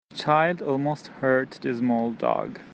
The child almost hurt the small dog.